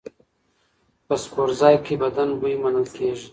په سپورتځای کې بدن بوی منل کېږي.